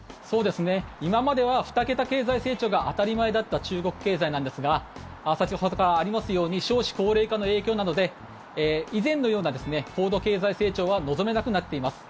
今までは２桁経済成長が当たり前だった中国経済なんですが先ほどからありますように少子高齢化の影響などで以前のような高度経済成長は望めなくなっています。